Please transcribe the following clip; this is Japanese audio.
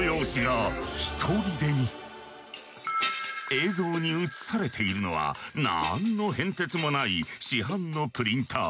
映像に映されているのは何の変哲もない市販のプリンター。